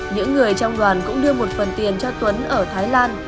những người trong đoàn cũng đưa một phần tiền cho tuấn ở thái lan